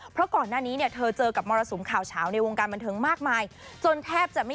เปล่าค่ะอันนี้คือผอของเราเองนะคะ